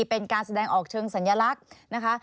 เป็นการแสดงออกเชิงสัญลักษณ์นะคะ